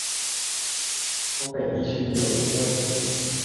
東北地區有意振作